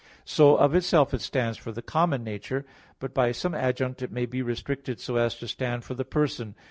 So of itself it stands for the common nature, but by some adjunct it may be restricted so as to stand for the person.